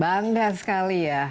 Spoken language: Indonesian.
bangga sekali ya